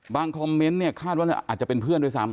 คอมเมนต์เนี่ยคาดว่าอาจจะเป็นเพื่อนด้วยซ้ำ